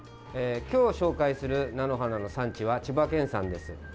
今日紹介する菜の花の産地は千葉県産です。